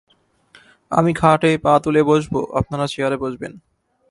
আমি খাটে পা তুলে বসব, আপনারা চেয়ারে বসবেন।